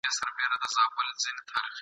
اوري له خیبره تر کنړه شپېلۍ څه وايي !.